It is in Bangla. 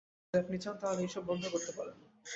যদি আপনি চান, তাহলে এইসব বন্ধ করতে পারেন।